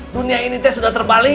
dunia ini sudah terbalik